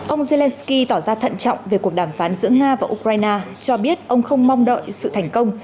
ông zelensky tỏ ra thận trọng về cuộc đàm phán giữa nga và ukraine cho biết ông không mong đợi sự thành công